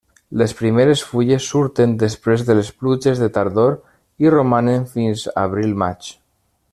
Les primeres fulles surten després de les pluges de tardor i romanen fins abril-maig.